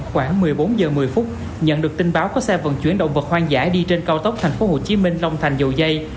khoảng một mươi bốn h một mươi phút nhận được tin báo có xe vận chuyển động vật hoang dã đi trên cao tốc tp hcm long thành dầu dây